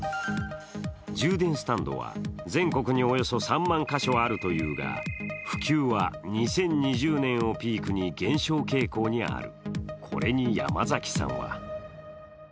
充電スタンドは、全国におよそ３万カ所あるというが普及は２０２０年をピークに減少傾向にある。